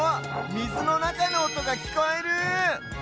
みずのなかのおとがきこえる！